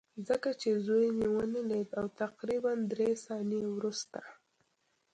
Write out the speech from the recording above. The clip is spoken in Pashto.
ځکه چې زوی مې ونه لید او تقریبا درې ثانیې وروسته